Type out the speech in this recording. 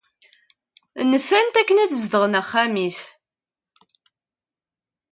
Nfan-t akken ad zedɣen axxam-is.